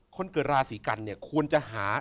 คนเกิดราศีกันเนี่ยควรจะหา